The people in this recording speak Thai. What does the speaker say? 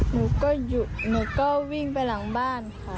หนูก็หยุดหนูก็วิ่งไปหลังบ้านค่ะ